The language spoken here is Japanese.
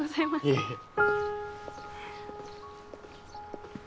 いえいえ。